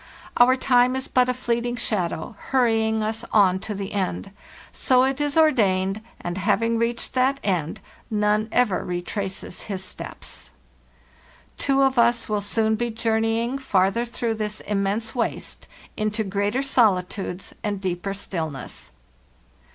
Our time is but a fleeting shadow, hurrying us on to the end—so it is ordained; and having reached that end, none ever re traces his steps. "Two of us will soon be journeying farther through this immense waste, into greater solitudes and deeper stillness.